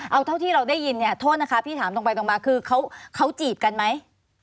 เอาเท่าที่เราได้ยินเนี่ยโทษนะคะพี่ถามตรงไปตรงมาคือเขาจีบกันไหม